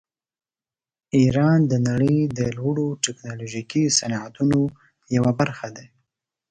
ایران د نړۍ د لوړو ټیکنالوژیکو صنعتونو یوه برخه ده.